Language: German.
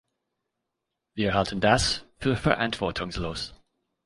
Wir halten das für verantwortungslos.